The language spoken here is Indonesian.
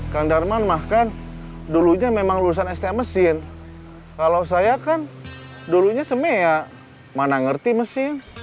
kang darman mah kan dulunya memang lulusan stm mesin kalau saya kan dulunya semea mana ngerti mesin